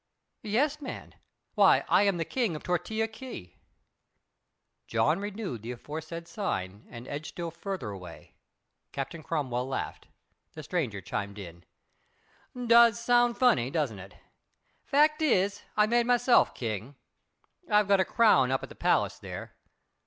"Yes, man. Why, I am the King of Tortilla Key." John renewed the aforesaid sign and edged still farther away. Captain Cromwell laughed. The stranger chimed in. "Does sound funny, don't it. Fact is I made myself King. I've got a crown up at the palace there.